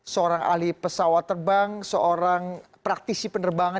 seorang ahli pesawat terbang seorang praktisi penerbangan